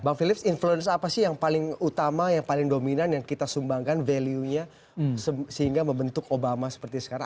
bang philips influence apa sih yang paling utama yang paling dominan yang kita sumbangkan value nya sehingga membentuk obama seperti sekarang